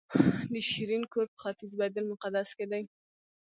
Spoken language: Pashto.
د شیرین کور په ختیځ بیت المقدس کې دی.